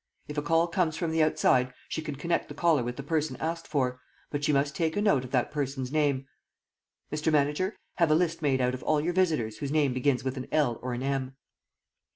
If a call comes from the outside, she can connect the caller with the person asked for, but she must take a note of that person's name. ... Mr. Manager, have a list made out of all your visitors whose name begins with an L or an M."